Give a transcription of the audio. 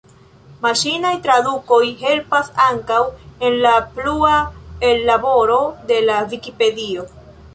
Maŝinaj tradukoj helpas ankaŭ en la plua ellaboro de la Vikipedio.